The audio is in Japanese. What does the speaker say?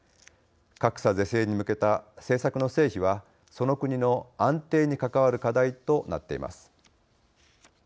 格差是正に向けた政策の成否はその国の安定に関わる課題となっています。